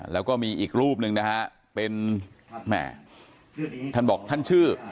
แล้วก็มีอีกรูปหนึ่งนะฮะเป็นแหม่ท่านบอกท่านชื่อ